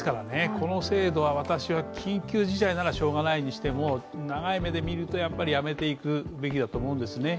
この制度は私は、緊急事態ならしようがないにしても、長い目で見るとやめていくべきだと思うんですね。